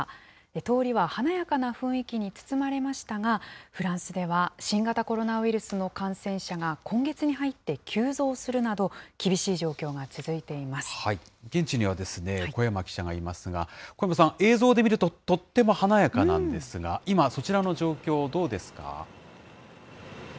通りは華やかな雰囲気に包まれましたが、フランスでは新型コロナウイルスの感染者が今月に入って急増する現地には古山記者がいますが、古山さん、映像で見るととっても華やかなんですが、今、そちらの状況、どうですか？